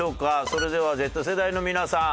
それではＺ世代の皆さん